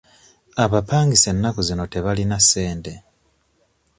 Abapangisa ennaku zino tebalina ssente.